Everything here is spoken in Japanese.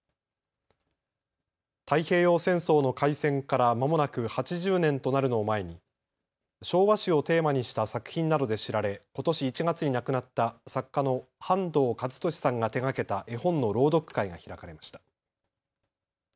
太平洋戦争の開戦からまもなく８０年となるのを前に昭和史をテーマにした作品などで知られ、ことし１月に亡くなった作家の半藤一利さんが手がけた絵本の朗読会が開かれました。